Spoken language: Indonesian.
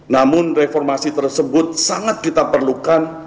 namun reformasi tersebut sangat kita perlukan